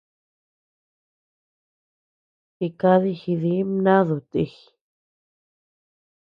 Jikadi jidi mnadu ti.